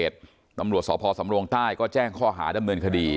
ทางใต้ก็แจ้งข้อหาดำเนินคดี